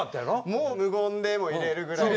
もう無言でもいれるぐらいね。